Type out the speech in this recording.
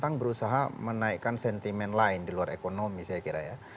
sekarang berusaha menaikkan sentimen lain di luar ekonomi saya kira ya